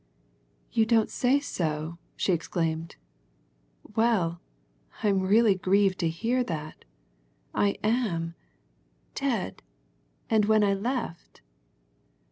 "You don't say so!" she exclaimed. "Well, I'm really grieved to hear that I am! Dead? and when I left!